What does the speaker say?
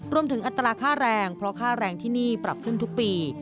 อัตราค่าแรงเพราะค่าแรงที่นี่ปรับขึ้นทุกปี